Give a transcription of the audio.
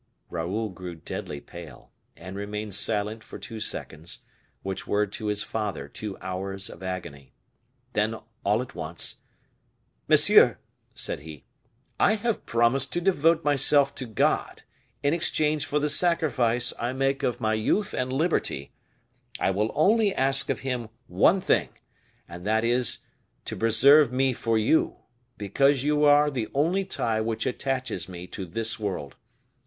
Raoul grew deadly pale, and remained silent for two seconds, which were to his father two hours of agony. Then, all at once: "Monsieur," said he, "I have promised to devote myself to God. In exchange for the sacrifice I make of my youth and liberty, I will only ask of Him one thing, and that is, to preserve me for you, because you are the only tie which attaches me to this world.